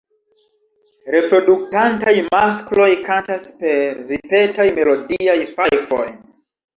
Reproduktantaj maskloj kantas per ripetaj melodiaj fajfoj.